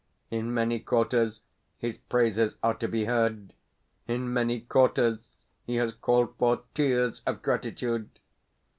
In many quarters his praises are to be heard; in many quarters he has called forth tears of gratitude.